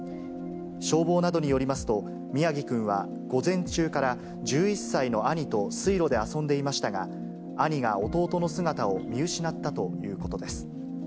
消防などによりますと、宮城くんは午前中から１１歳の兄と水路で遊んでいましたが、兄が弟の姿を見失ったということです。